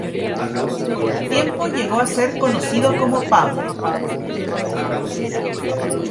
Con el tiempo llegó a ser conocido como Paul.